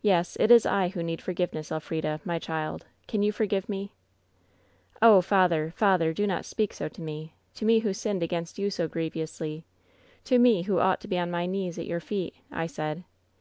Yes, it is I who need for fi^yeness. Elf rida, my child, can you forgive me V " ^Oh, father 1 father ! do not speak so to me — to me who sinned against you so grievously — ^to me who ought to be on my knees at your feet !' I said.